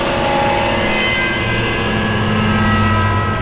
kita harus solving hal ini